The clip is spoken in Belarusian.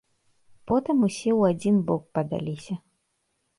Потым усе ў адзін бок падаліся.